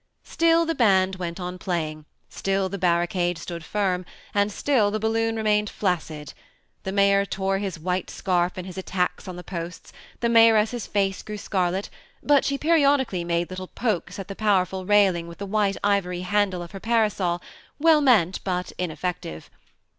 Still the band i^ent on playing; still the barricade stood firm; and still the balloon remained flaccid. The mayor tore his white scarf in his attacks on the posts ; the mayoress' face grew scarlet, but she periofdically made little pokes at the powerful railing with the white ivory handle of her parasoi, well meant but ineffective.